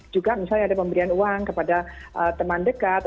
juga misalnya ada pembelian uang kepada teman dekat